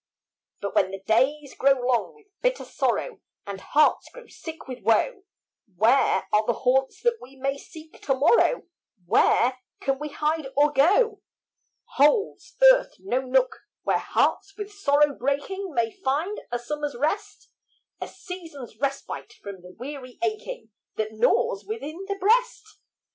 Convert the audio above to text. But when the days grow long with bitter sorrow, And hearts grow sick with woe, Where are the haunts that we may seek to morrow? Where can we hide or go? Holds earth no nook, where hearts with sorrow breaking, May find a summer's rest? A season's respite from the weary aching That gnaws within the breast?